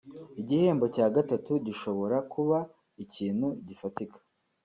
Igihembo cya gatatu gishobora kuba ikintu gifatika